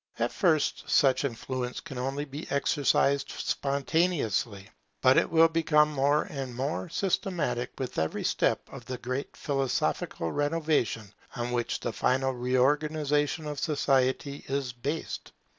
At first such influence can only be exercised spontaneously; but it will become more and more systematic with every new step in the great philosophical renovation on which the final reorganization of society is based.